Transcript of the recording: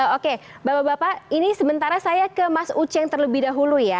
oke bapak bapak ini sementara saya ke mas uceng terlebih dahulu ya